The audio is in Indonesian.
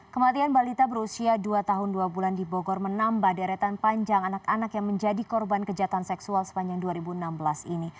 kematian balita berusia dua tahun dua bulan di bogor menambah deretan panjang anak anak yang menjadi korban kejahatan seksual sepanjang dua ribu enam belas ini